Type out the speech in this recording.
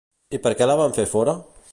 I per què la van fer fora?